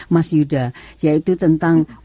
mas yuda yaitu tentang